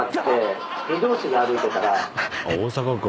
大阪か。